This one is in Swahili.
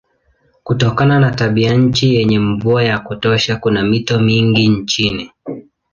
Kutokana na tabianchi yenye mvua ya kutosha kuna mito mingi nchini.